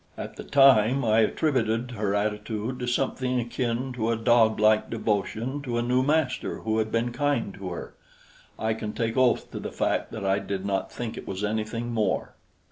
At the time I attributed her attitude to something akin to a doglike devotion to a new master who had been kind to her. I can take oath to the fact that I did not think it was anything more.